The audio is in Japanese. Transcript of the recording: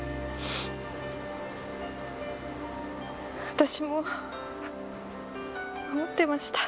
私も思ってました。